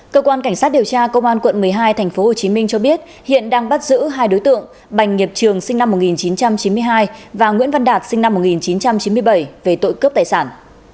cơ quan cảnh sát điều tra công an quận một mươi hai tp hcm cho biết hiện đang bắt giữ hai đối tượng bành nghiệp trường sinh năm một nghìn chín trăm chín mươi hai và nguyễn văn đạt sinh năm một nghìn chín trăm chín mươi bảy về tội cướp tài sản